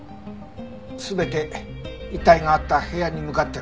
全て遺体があった部屋に向かってる。